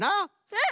うん！